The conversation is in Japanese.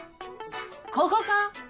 ここか？